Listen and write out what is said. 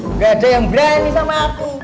nggak ada yang berani sama aku